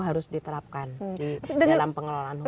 harus diterapkan di dalam pengelolaan hutan